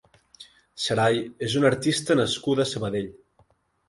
Sarai és una artista nascuda a Sabadell.